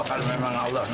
kalau seperti ini